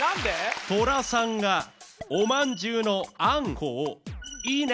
トラさんがおまんじゅうのあんこを「いいね」